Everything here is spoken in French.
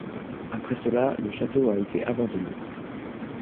Après cela, le château a été abandonné.